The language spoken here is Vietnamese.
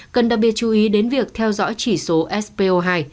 cần đặc biệt chú ý đến việc theo dõi chỉ số spo hai